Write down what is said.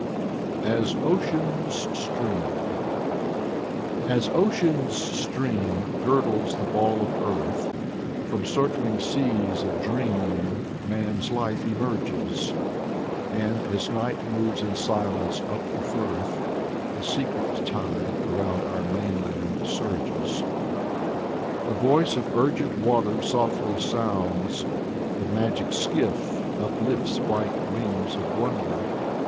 "^ Tr. by Avrahm Yarmolinsky and Cecil Cowdrey. Fyodor Tyutchev 25 " AS OCEAN'S STREAM " As ocean's stream girdles the ball of earth, From circling seas of dream man's life emerges, And as night moves in silence up the firth The secret tide around our mainland surges. The voice of urgent waters softly sounds; The magic skiff uplifts white wings of wonder.